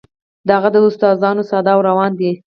د هغه داستانونه ساده او روان دي.